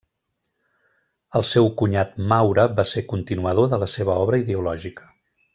El seu cunyat Maura va ser continuador de la seva obra ideològica.